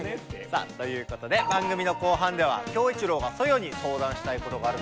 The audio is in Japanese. さあということで番組の後半ではキョウイチロウがソヨに相談したいことがあるんだって。